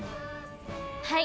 はい。